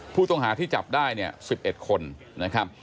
ผู้ต้องหาที่จับได้เนี่ย๑๑คนนะครับ